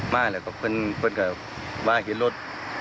มาก็เป็นคนกับมาเห็นรถ